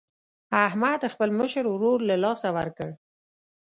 احمد خپل مشر ورور له لاسه ورکړ.